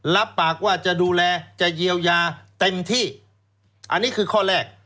รับปากว่าจะดูแลจะเยียวยาเต็มที่อันนี้คือข้อแรก